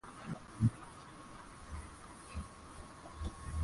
hoever ilifikiriwa kukua hadi mita sitini tu